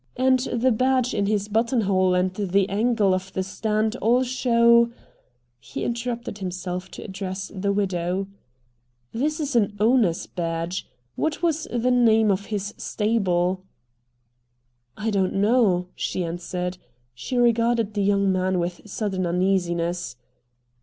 "And the badge in his buttonhole and the angle of the stand all show " He interrupted himself to address the widow. "This is an owner's badge. What was the name of his stable?" "I don't know," she answered. She regarded the young man with sudden uneasiness.